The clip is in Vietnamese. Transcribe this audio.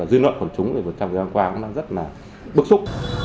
dư luận của chúng trong thời gian qua cũng rất là bức xúc